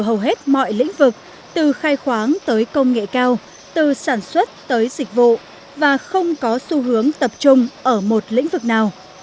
hầu hết mọi lĩnh vực từ khai khoáng tới công nghệ cao từ sản xuất tới dịch vụ và không có xu hướng tập trung ở một lĩnh vực nào